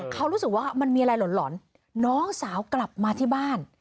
เขารู้สึกว่ามันมีอะไรหล่อนน้องสาวกลับมาที่บ้าน